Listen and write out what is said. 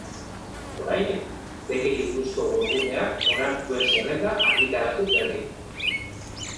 Orain, bekei buruzko webguneak onartuen zerrenda argitaratu berri du.